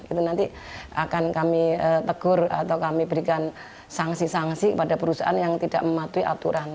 itu nanti akan kami tegur atau kami berikan sanksi sanksi kepada perusahaan yang tidak mematuhi aturan